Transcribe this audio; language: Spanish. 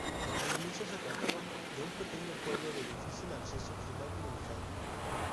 Al inicio, se trataba de un pequeño pueblo de difícil acceso y mal comunicado.